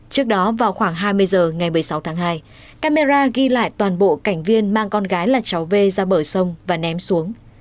trước đó vào khoảng hai mươi h ngày một mươi sáu tháng hai camera ghi lại toàn bộ cảnh viên mang con gái là cháu v ra bờ sông và ném xuống